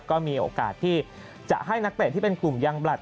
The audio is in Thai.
ก็มีโอกาสที่จะให้นักเตะที่เป็นกลุ่มยังบลัด